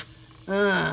うん。